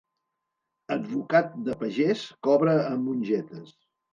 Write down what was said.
Advocat de pagès, cobra amb mongetes.